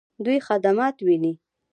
دوی خدمات ویني؟